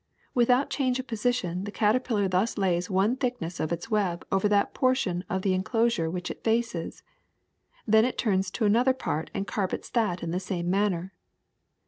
With out change of position the caterpillar thus lays one thickness of its web over that portion of the enclos ure which it faces. Then it turns to another part and carpets that in the same manner.